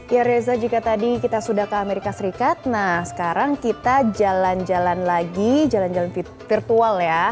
ya reza jika tadi kita sudah ke amerika serikat nah sekarang kita jalan jalan lagi jalan jalan virtual ya